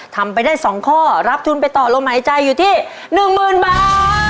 ทำไปได้๒ข้อรับทุนไปต่อลมหายใจอยู่ที่๑๐๐๐บาท